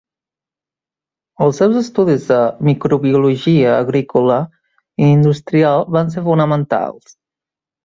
Els seus estudis de microbiologia agrícola i industrial van ser fonamentals.